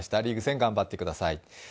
リーグ戦頑張ってください。